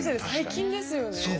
最近ですよね